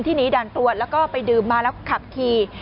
หนีด่านตรวจแล้วก็ไปดื่มมาแล้วขับขี่